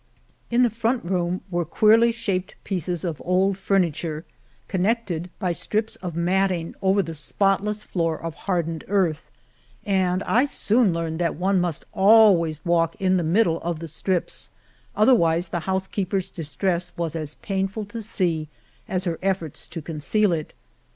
In the front room were queerly shaped pieces of old furniture, connected by strips of matting over the spotless floor of hard ened earth, and I soon learned that one must always walk in the middle of the strips, otherwise the house keeper's distress was as 187 The Morena painful to see as her efforts to conceal it.